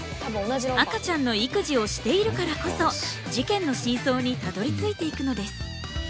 赤ちゃんの育児をしているからこそ事件の真相にたどりついていくのです。